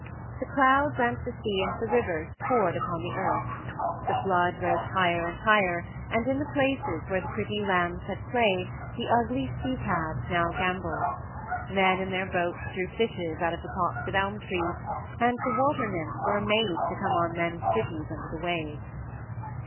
The clouds and the sea and the rivers poured upon the earth. The flood rose higher and higher, and in the places where the pretty lambs had played the ugly sea calves now gambolled; men in their boats drew fishes out of the tops of elm trees, and the water nymphs were amazed to come on men's cities under the waves.